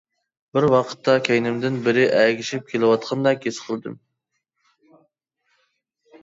بىر ۋاقىتتا كەينىمدىن بىرى ئەگىشىپ كېلىۋاتقاندەك ھېس قىلدىم.